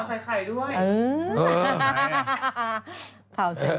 พี่เผ่าใส่ไข่ด้วย